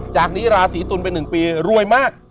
จากนี้ราศีตุลไป๑ปีรวยมาก